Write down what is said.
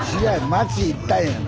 町行ったんやがな。